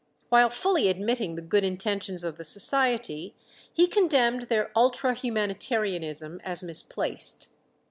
While fully admitting the good intentions of the Society, he condemned their ultra humanitarianism as misplaced.